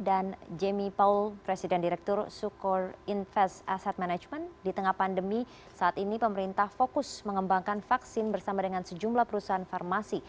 dan fast asset management di tengah pandemi saat ini pemerintah fokus mengembangkan vaksin bersama dengan sejumlah perusahaan farmasi